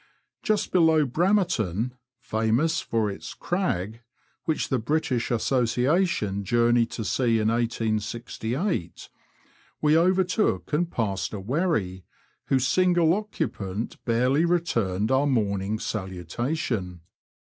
Just below Bramerton — famous for its crag,'* which the British Association journeyed to see in 1868 — we overtook and passed a wherry, whose single occupant barely returned our morning salutation.